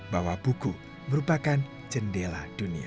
bahwa buku merupakan jendela dunia